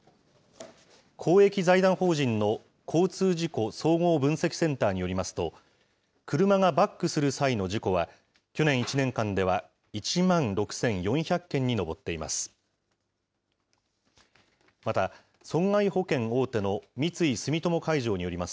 公益財団法人の交通事故総合分析センターによりますと、車がバックする際の事故は、去年１年間では１万６４００件に上っています。